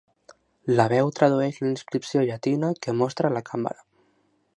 La veu tradueix la inscripció llatina que mostra la càmera.